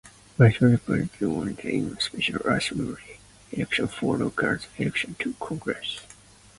Martin replaced Dean Gallo in a special Assembly election following Gallo's election to Congress.